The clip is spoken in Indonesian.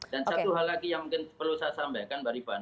dan satu hal lagi yang mungkin perlu saya sampaikan pak adip